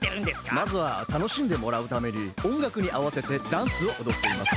まずはたのしんでもらうためにおんがくにあわせてダンスをおどっています。